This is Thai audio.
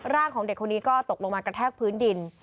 ของเด็กคนนี้ก็ตกลงมากระแทกพื้นดิน